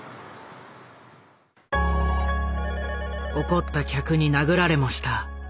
怒った客に殴られもした。